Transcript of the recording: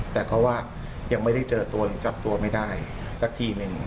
แต่ก็ว่ายังไม่ได้เจอตัวหรือจับตัวไม่ได้สักทีหนึ่ง